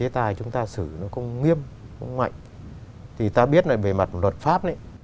thì ta biết về mặt luật pháp